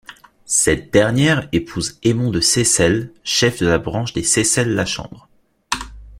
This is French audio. Cette dernière épouse Aimon de Seyssel, chef de la branche des Seyssel-La Chambre.